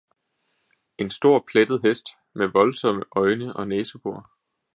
en stor plettet hest med voldsomme øjne og næsebor